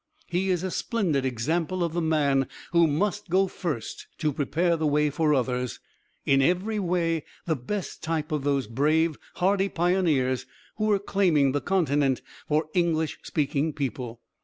He is a splendid example of the man who must go first to prepare the way for others, in every way the best type of those brave, hardy pioneers who were claiming the continent for English speaking people.